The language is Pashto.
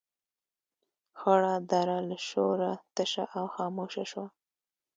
خړه دره له شوره تشه او خاموشه شوه.